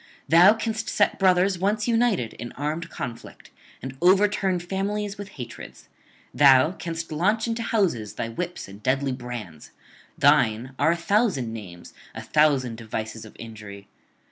Thou canst set brothers once united in armed conflict, and overturn families with hatreds; thou canst launch into houses thy whips and deadly brands; thine are a thousand names, a thousand devices of injury.